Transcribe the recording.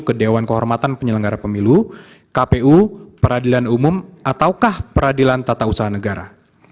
ke dewan kehormatan penyelenggara pemilu kpu peradilan umum ataukah peradilan tata usaha negara